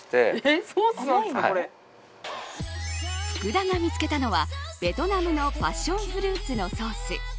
福田が見つけたのはベトナムのパッションフルーツのソース。